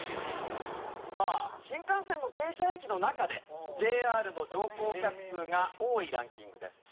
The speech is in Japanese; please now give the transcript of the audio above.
さあ新幹線の停車駅の中でＪＲの乗降客数が多いランキングです。